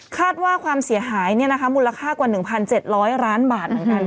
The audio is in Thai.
คาดว่าความเสียหายเนี้ยนะคะมูลค่ากว่าหนึ่งพันเจ็ดร้อยล้านบาทเหมือนกัน